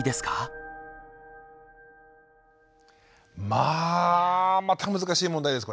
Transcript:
まあまた難しい問題です